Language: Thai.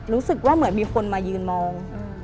รู้สึกว่าเหมือนมีคนมายืนมอง